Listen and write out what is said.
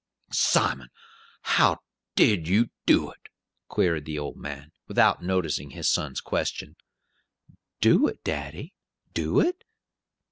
"Simon, how did you do it?" queried the old man, without noticing his son's question. "Do it, daddy? Do it?